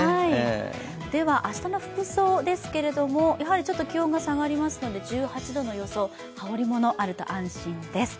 では明日の服装ですけど、やはりちょっと気温が下がりますので１８度の予想、羽織りものがあると安心です。